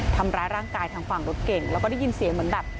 ทำร้ายร่างกายทางฝั่งรถเก่งแล้วก็ได้ยินเสียงเหมือนแบบ